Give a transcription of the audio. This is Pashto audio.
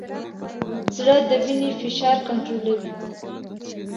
زړه د وینې فشار کنټرولوي.